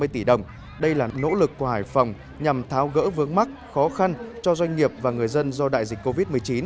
ba mươi tỷ đồng đây là nỗ lực của hải phòng nhằm tháo gỡ vướng mắc khó khăn cho doanh nghiệp và người dân do đại dịch covid một mươi chín